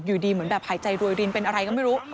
อยู่ดีเหมือนแบบหายใจรวยรินเป็นอะไรก็ไม่รู้